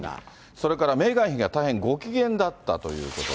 それからメーガン妃が大変ご機嫌だったということで。